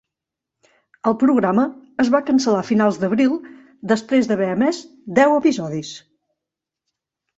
El programa es va cancel·lar a finals d'abril després d'haver emès deu episodis.